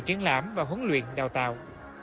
triển lãm và huấn luyện đào tạo